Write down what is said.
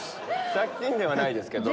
借金ではないですけど。